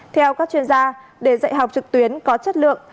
theo các chuyên gia để dạy học trực tuyến có chất lượng